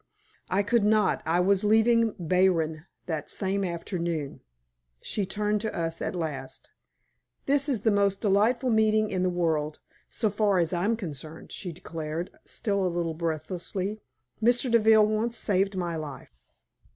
"I could not; I was leaving Baeren that same afternoon." She turned to us at last. "This is the most delightful meeting in the world, so far as I am concerned," she declared, still a little breathlessly. "Mr. Deville once saved my life."